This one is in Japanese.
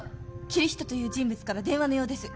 キリヒトという人物から電話のようです